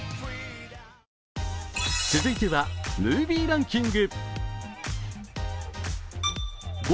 続いてはムービーランキング。